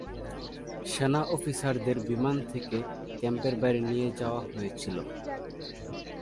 সেনা অফিসারদের বিমান থেকে ক্যাম্পের বাইরে নিয়ে যাওয়া হয়েছিল।